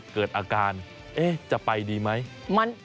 เกิดอาการจะไปดีไหม